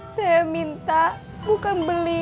saya minta bukan beli